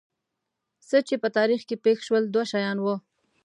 څه چې په تاریخ کې پېښ شول دوه شیان وو.